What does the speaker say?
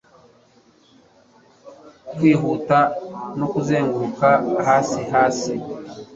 Kwihuta no kuzenguruka hasi hasi